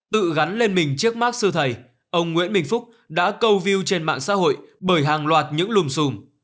tự gắn lên mình chiếc mác sư thầy ông nguyễn minh phúc đã câu view trên mạng xã hội bởi hàng loạt những lùm xùm